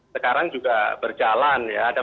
sekarang juga berjalan ya ada